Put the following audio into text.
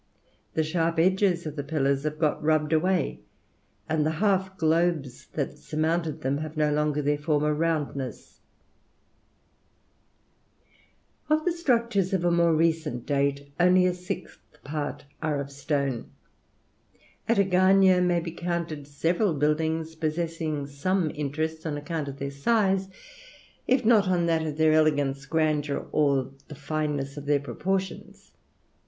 The sharp edges of the pillars have got rubbed away, and the half globes that surmounted them have no longer their former roundness." [Illustration: Ruins of ancient pillars at Tinian. (Fac simile of early engraving.)] Of the structures of more recent date only a sixth part are of stone. At Agagna may be counted several buildings possessing some interest on account of their size, if not on that of their elegance, grandeur, or the fineness of their proportions.